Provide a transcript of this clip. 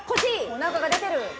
おなかが出てる。